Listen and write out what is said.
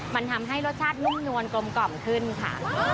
มันทำให้รสชาตินุ่มนวลกลมกล่อมขึ้นค่ะ